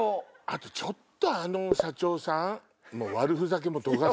あとちょっとあの社長さん。